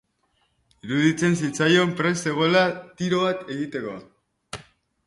Iduritzen zitzaion prest zegoela tiro bat egiteko.